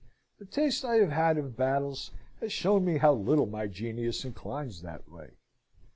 The taste I have had of battles has shown me how little my genius inclines that way.